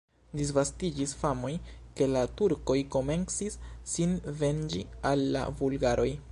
Disvastiĝis famoj, ke la turkoj komencis sin venĝi al la bulgaroj.